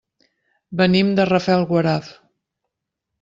Venim de Rafelguaraf.